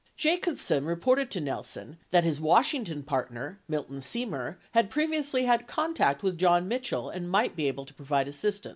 Jacob sen reported to Nelson that his Washington partner, Milton Semer, had previously had contact with John Mitchell and might be able to pro vide assist ance.